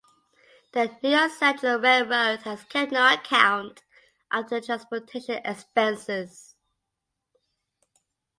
The New York Central Railroad has kept no account of the transportation expenses.